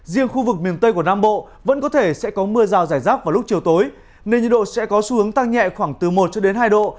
riêng khu vực miền tây của nam bộ vẫn có thể sẽ có mưa rào rải rác vào lúc chiều tối nên nhiệt độ sẽ có xu hướng tăng nhẹ khoảng từ một cho đến hai độ